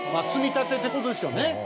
積み立てってことですよね。